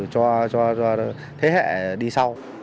cho thế hệ dc